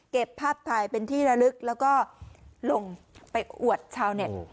ภาพถ่ายเป็นที่ระลึกแล้วก็ลงไปอวดชาวเน็ต